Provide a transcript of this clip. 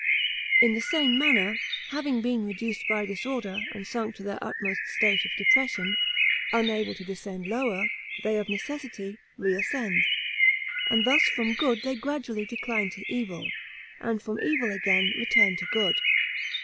In the same manner, having been reduced by disorder, and sunk to their utmost state of depression, unable to descend lower, they, of necessity, reascend; and thus from good they gradually decline to evil, and from evil again return to good.